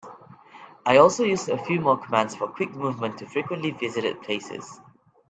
I also use a few more commands for quick movement to frequently visited places.